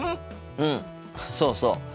うんそうそう。